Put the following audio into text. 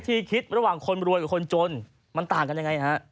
ที่คิดระหว่างคนรวยกับคนจนมันต่างกันยังไงฮะ